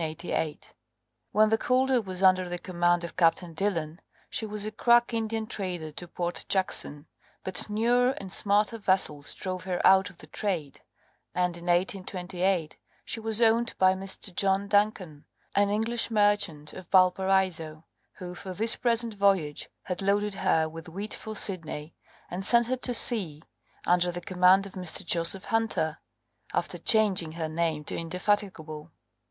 When the Colder was under the command of Captain Dillon she was a crack Indian trader to Port Jackson, but newer and smarter vessels drove her out of the trade; and in 1828 she was owned by Mr. John Duncan, an English merchant of Valparaiso, who for this present voyage had loaded her with wheat for Sydney, and sent her to sea under the command of Mr. Joseph Hunter, after changing her name to Indefatigable.